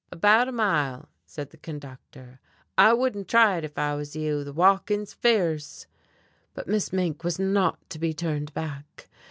"About a mile," said the conductor. "I wouldn't try it if I was you, the walking's fierce." But Miss Mink was not to be turned back.